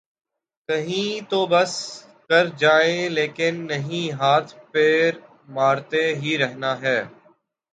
کہیں تو بس کر جائیں لیکن نہیں ‘ ہاتھ پیر مارتے ہی رہنا ہے۔